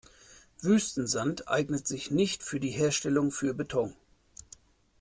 Wüstensand eignet sich nicht für die Herstellung für Beton.